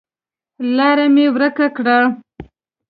لاره مې ورکه کړه